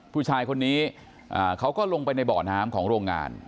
ผู้ชายคนนี้เขาก็ลงไปในบ่อน้ำของโรงงาน